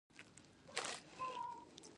ښوونکي د باور لېږدونکي دي.